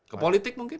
ke politik mungkin